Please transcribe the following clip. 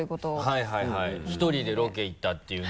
はいはい１人でロケ行ったっていうね。